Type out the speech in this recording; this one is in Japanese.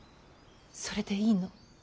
それでいいの。